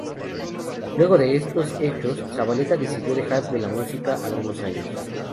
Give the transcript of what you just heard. Luego de estos hechos, Zavaleta decidió dejar de la música algunos años.